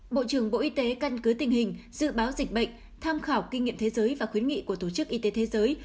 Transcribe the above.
bộ trưởng bộ y tế căn cứ tình hình dự báo dịch bệnh tham khảo kinh nghiệm thế giới và khuyến nghị của tổ chức y tế thế giới